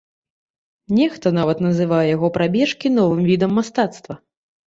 Нехта нават называе яго прабежкі новым відам мастацтва.